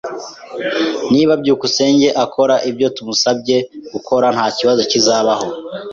Niba byukusenge akora ibyo twamusabye gukora, ntakibazo kizabaho.